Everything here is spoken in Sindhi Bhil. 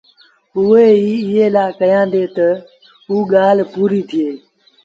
اُئي ايٚ ايٚئي لآ ڪهيآندي تا اوٚ ڳآل پوريٚ ٿئي